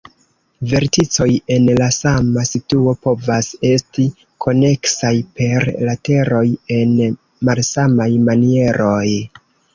Verticoj en la sama situo povas esti koneksaj per lateroj en malsamaj manieroj.